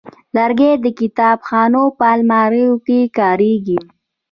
لرګی د کتابخانو په الماریو کې کارېږي.